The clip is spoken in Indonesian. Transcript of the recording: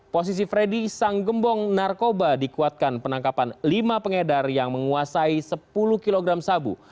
posisi freddy sang gembong narkoba dikuatkan penangkapan lima pengedar yang menguasai sepuluh kg sabu